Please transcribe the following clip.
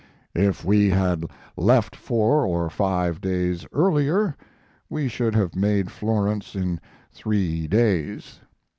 If we had left four or five days earlier we should have made Florence in three days.